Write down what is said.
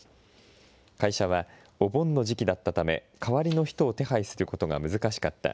会社は、お盆の時期だったため、代わりの人を手配することが難しかった。